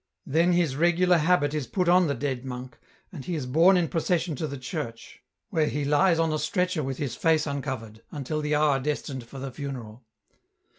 " Then his regular habit is put on the dead monk, and he is borne in procession to the church, where he lies on a T 2 276 EN ROUTE. stretcher with his face uncovered, until the hour destined for the funeral.